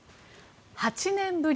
８年ぶり